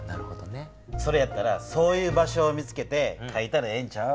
それやったらそういう場所を見つけてかいたらええんちゃう？